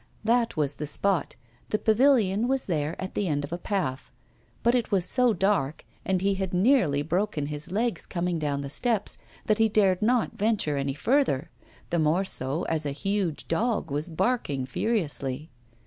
That was the spot, the pavilion was there at the end of a path. But it was so dark, and he had nearly broken his legs coming down the steps, that he dared not venture any further, the more so as a huge dog was barking furiously.